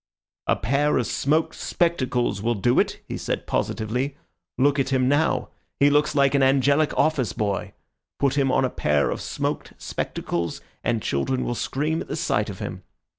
'A pair of smoked spectacles will do it,' he said positively. 'Look at him now; he looks like an angelic office boy. Put him on a pair of smoked spectacles, and children will scream at the sight of him.